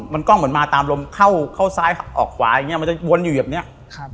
มันกล้องเหมือนมาตามลมเข้าเข้าซ้ายออกขวาอย่างเงี้มันจะวนอยู่แบบเนี้ยครับ